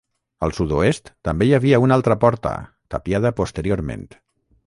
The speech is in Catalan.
Al sud-oest també hi havia una altra porta, tapiada posteriorment.